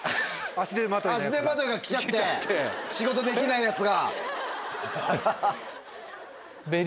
足手まといが来ちゃって仕事できないヤツが。